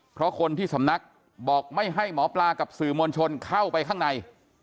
เพราะคนที่สำนักบอกไม่ให้หมอปลากับสื่อมวลชนเข้าไปข้างใน